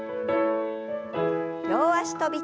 両脚跳び。